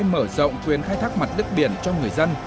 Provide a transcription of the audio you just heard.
mở rộng quyền khai thác mặt đất biển cho người dân